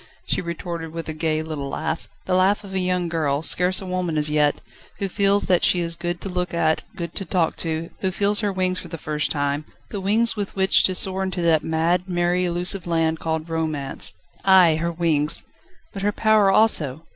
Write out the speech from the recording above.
she retorted with a gay little laugh, the laugh of a young girl, scarce a woman as yet, who feels that she is good to look at, good to talk to, who feels her wings for the first time, the wings with which to soar into that mad, merry, elusive land called Romance. Ay, her wings! but her power also!